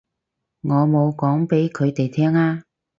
我冇講畀佢哋聽啊